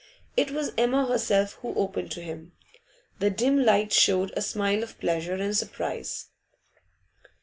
It was Emma herself who opened to him. The dim light showed a smile of pleasure and surprise.